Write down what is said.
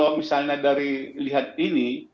kalau misalnya dari lihat ini